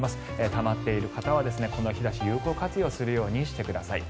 たまっている方はこの日差しを有効活用するようにしてください。